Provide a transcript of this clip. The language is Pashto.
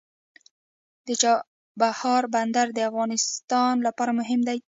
د چابهار بندر د افغانستان لپاره مهم دی.